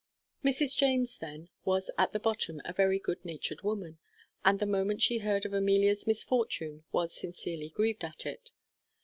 Mrs. James then was at the bottom a very good natured woman, and the moment she heard of Amelia's misfortune was sincerely grieved at it.